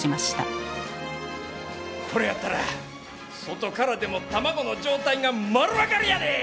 これやったら外からでも卵の状態が丸分かりやで！